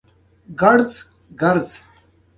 آیا د ونډو بازار په تورنټو کې نه دی؟